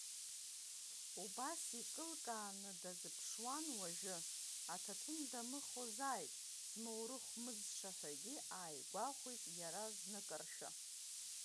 Убас икылкааны дазыԥшуан уажәы, аҭаҭын дамыхозааит, змоурыхә мыӡша ҳәагьы ааигәахәит иара зныкыршәа.